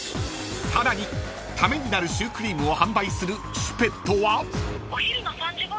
［さらにためになるシュークリームを販売するｃｈｏｕｐｅｔｔｅは？］